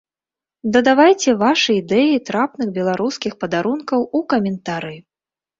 Дадавайце вашы ідэі трапных беларускіх падарункаў у каментары.